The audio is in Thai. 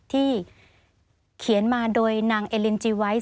ที่เขียนมาโดยนางเอลินจีไวท์